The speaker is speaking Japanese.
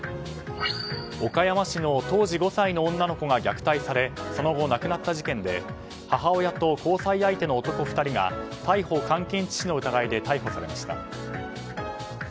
岡山市の当時５歳の女の子が虐待されその後、亡くなった事件で母親と交際相手の男２人が逮捕監禁致死の疑いで逮捕されました。